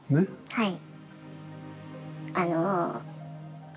はい。